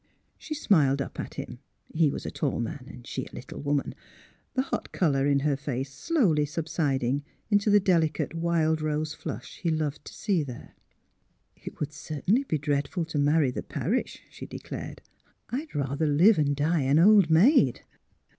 She smiled up at him — he was a tall man and she a little woman — the hot colour in her face slowly subsiding into the delicate wild rose flush he loved to see there. ^' It would certainly be dreadful to marry the parish," she declared. "I'd rather live and die an old maid."